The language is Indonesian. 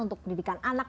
untuk pendidikan anak